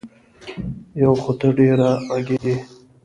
یو خو ته ډېره غږېږې.